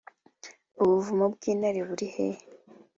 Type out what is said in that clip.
Ubuvumo bw’intare buri hehe